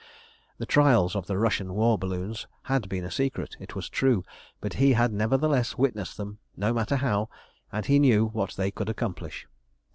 The trials of the Russian war balloons had been secret, it was true, but he had nevertheless witnessed them, no matter how, and he knew what they could accomplish.